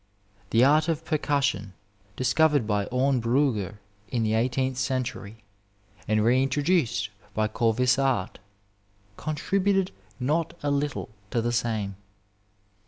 The art of percussion, dis covered by Auenbrugger in the eighteenth century, and reintroduced by Corvisart, contributed not a little to the same.